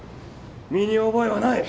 身に覚えはない！